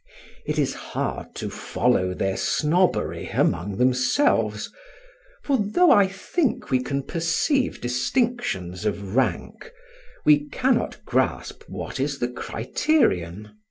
It is hard to follow their snobbery among themselves; for though I think we can perceive distinctions of rank, we cannot grasp what is the criterion.